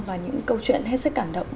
và những câu chuyện hết sức cảm động